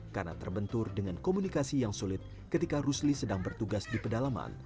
karena terbentur dengan komunikasi yang sulit ketika rusli sedang bertugas di pedalaman